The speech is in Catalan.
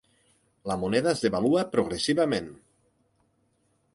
La moneda es devalua progressivament.